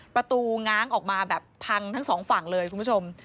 ง้างออกมาแบบพังทั้งสองฝั่งเลยคุณผู้ชม